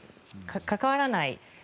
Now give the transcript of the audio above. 関わらない。